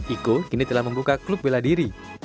iko kini telah membuka klub bela diri